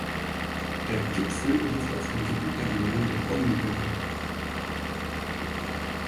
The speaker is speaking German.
Der Gipfel liegt auf dem Gebiet der Gemeinde Bolligen.